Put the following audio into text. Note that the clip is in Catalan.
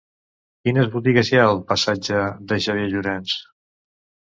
Quines botigues hi ha al passatge de Xavier Llorens?